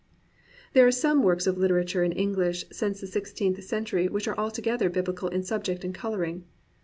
There are some works of literature in English since the sixteenth century which are altogether BibUcal in subject and colouring.